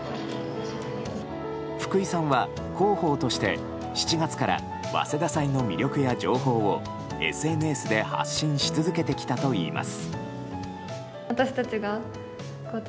福井さんは広報として７月から早稲田祭の魅力や情報をＳＮＳで発信し続けてきたといいます。